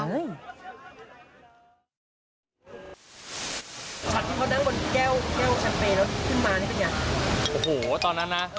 สัตว์ที่เขานั่งบนแก้วแก้วแชมเปยแล้วขึ้นมานี่เป็นยัง